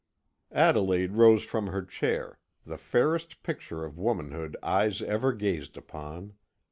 Adelaide rose from her chair, the fairest picture of womanhood eyes ever gazed upon.